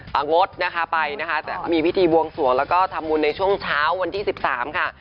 งดนะคะไปนะคะแต่ก็มีพิธีบวงสวงแล้วก็ทำบุญในช่วงเช้าวันที่๑๓ค่ะ